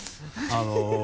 あの。